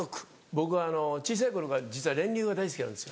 僕小さい頃から実は練乳が大好きなんですよ。